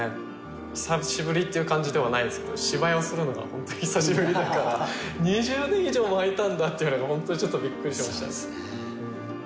久しぶりっていう感じではないですけど芝居をするのがホント久しぶりだから２０年以上も空いたんだっていうのがホントにちょっとびっくりしましたね